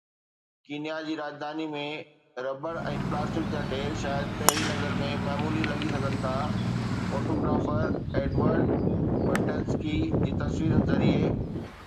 Kenya جي راڄڌاني ۾ rubber ۽ plastic جا ڍير شايد پهرين نظر ۾ معمولي لڳي سگهن ٿا فوٽوگرافر ايڊورڊ برٽينسڪي جي تصويرن ذريعي.